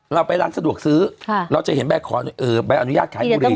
เราไปร้านสะดวกซื้อเราจะเห็นใบอนุญาตขายบุหรี่